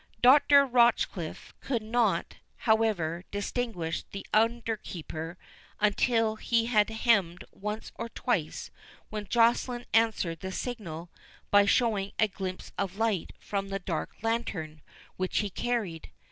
Dr. Rochecliffe could not, however, distinguish the under keeper until he had hemmed once or twice, when Joceline answered the signal by showing a glimpse of light from the dark lantern which he carried.